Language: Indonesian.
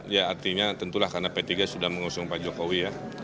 ya artinya tentulah karena p tiga sudah mengusung pak jokowi ya